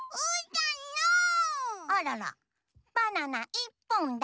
あららバナナいっぽんだ。